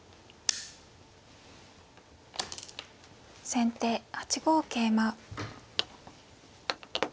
先手８五桂馬。